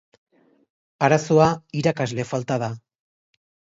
Arazoa, irakasle falta da.